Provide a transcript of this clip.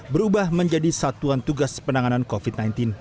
berubah menjadi satuan tugas penanganan covid sembilan belas